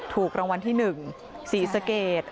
ถูกรางวัลที่๑ศรีสเกต